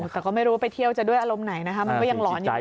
แต่ก็ไม่รู้ว่าไปเที่ยวจะด้วยอารมณ์ไหนนะคะมันก็ยังหลอนอยู่